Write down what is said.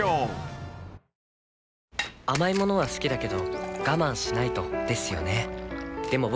甘い物は好きだけど我慢しないとですよね